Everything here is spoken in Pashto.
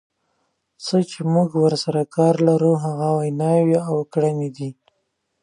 څه چې موږ ورسره کار لرو هغه ویناوې او کړنې دي.